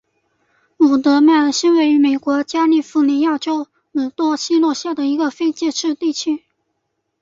伍德曼是位于美国加利福尼亚州门多西诺县的一个非建制地区。